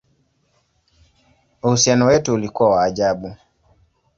Uhusiano wetu ulikuwa wa ajabu!